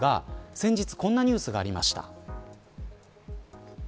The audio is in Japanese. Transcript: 先日、こんなニュースがありました。